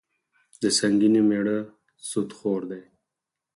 د سنګینې میړه سودخور دي.